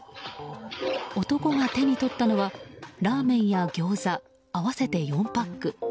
男が手に取ったのはラーメンやギョーザ合わせて４パック。